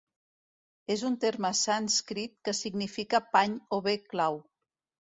És un terme sànscrit que significa pany o bé clau.